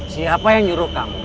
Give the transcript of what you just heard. siapa yang nyuruh kamu